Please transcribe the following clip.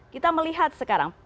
kita melihat sekarang